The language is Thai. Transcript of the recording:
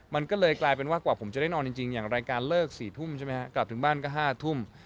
มันก็เลยกลายเป็นว่ากว่าผมจะได้นอนจริงอย่างรายการเลิก๔ทุ่มใช่ไหมฮะกลับถึงบ้านก็๕ทุ่ม